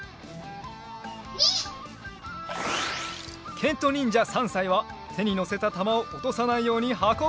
けんとにんじゃ３さいはてにのせた玉をおとさないようにはこぶでござる。